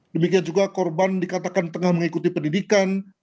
demikian juga korban dikatakan tengah mengikuti pendidikan